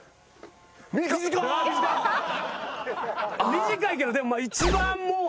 短いけど一番もう。